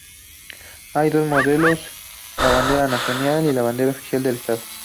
Hay dos modelos, la bandera nacional y la bandera oficial del Estado.